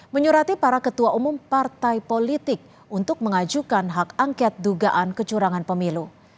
menyurati para ketua umum partai politik untuk mengajukan hak angket dugaan kecurangan pemilu